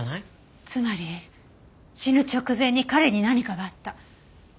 つまり死ぬ直前に彼に何かがあった。